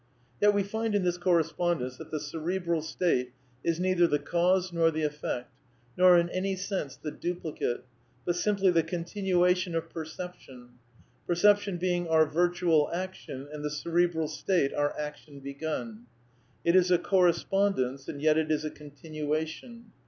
Yet we find in this correspondence that the cerebral state is " neither the cause nor the effect, nor in any sense the duplicate," but simply the " continuation " of percep tion ; perception being " our virtual action and the cerebral state our action begun." (Page 260.) It is a "corre spondence " and yet it is a " continuation."